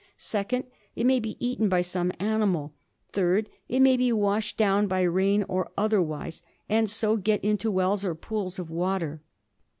Second, it may be eaten by some animal. Third, it may be washed down by rain or other wise, and so get into wells or pools of water.